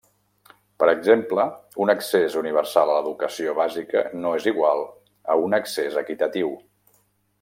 Per exemple, un accés universal a l'educació bàsica no és igual a un accés equitatiu.